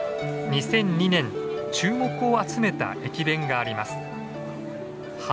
２００２年注目を集めた駅弁があります。